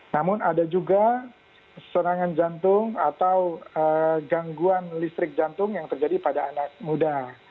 namun ada juga serangan jantung atau gangguan listrik jantung yang terjadi pada anak muda